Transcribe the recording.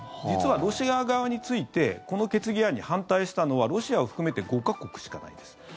実はロシア側についてこの決議案に反対したのはロシアを含めて５か国しかないんです。